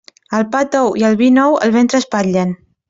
El pa tou i el vi nou el ventre espatllen.